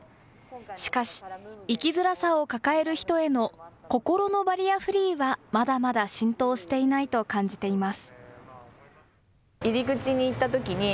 しかし、生きづらさを抱える人への心のバリアフリーはまだまだ浸透していないと感じています。